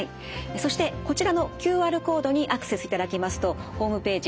そしてこちらのＱＲコードにアクセスいただきますとホームページ